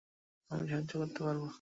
আমি সাহায্য করতে পারবো।